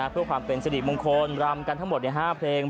เพื่อความเป็นสิริมงคลรำกันทั้งหมด๕เพลง